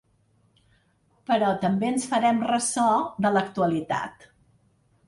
Però també ens farem ressò de l’actualitat.